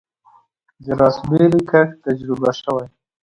د راسبیري کښت تجربه شوی؟